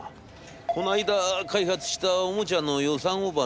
こないだ開発したおもちゃの予算オーバーの件か？